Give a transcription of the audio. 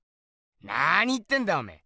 なに言ってんだおめえ。